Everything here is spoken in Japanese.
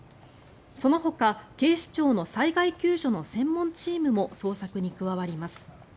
そのほか警視庁の災害救助の専門チームも捜索に加わります。